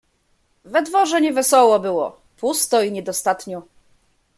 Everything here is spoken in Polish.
"We dworze nie wesoło było, pusto... i niedostatnio..."